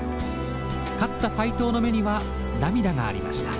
勝った斎藤の目には涙がありました。